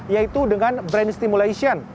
yaitu dengan brain stimulation